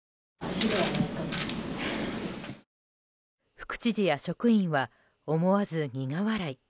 副知事や職員は思わず苦笑い。